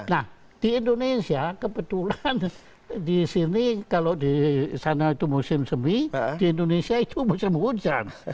nah di indonesia kebetulan di sini kalau di sana itu musim semi di indonesia itu musim hujan